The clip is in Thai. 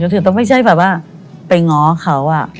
ถึงต้องไม่ใช่แบบว่าไปง้อเขา